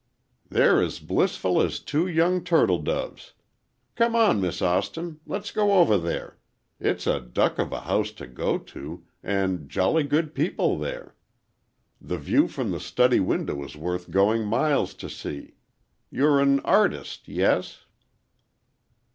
"They're as blissful as two young turtle doves. Come on, Miss Austin, let's go over there. It's a duck of a house to go to, and jolly good people there. The view from the study window is worth going miles to see. You're an artist,—yes?"